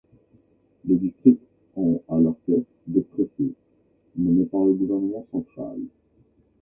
Les districts ont à leur tête des préfets, nommés par le gouvernement central.